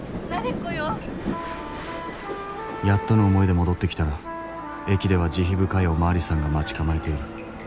やっとの思いで戻ってきたら駅では慈悲深いお巡りさんが待ち構えている。